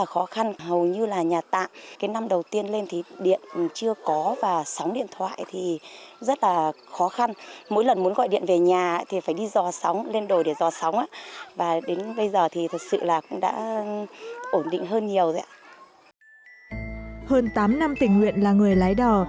hơn tám năm tình nguyện là người lái đỏ